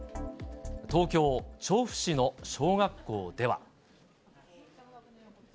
東京・調布市の小学校では。